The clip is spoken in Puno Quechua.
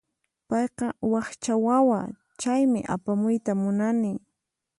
Payqa wakcha wawa, chaymi apamuyta munani.